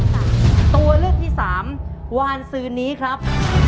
ตัวเลือกที่สามวานซืนนี้ครับ